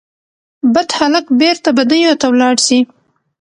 بد هلک بیرته بدیو ته ولاړ سي